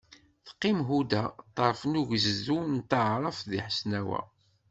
Teqqim Huda ṭṭerf n ugezdu n taɛrabt deg Ḥesnawa.